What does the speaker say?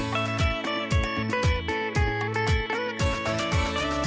โปรดติดตามตอนต่อไป